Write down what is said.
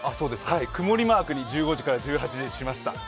曇りマークに１５時から１８時はしました。